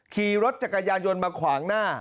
ขี่รถจักรยานยนต์มาขวางหน้า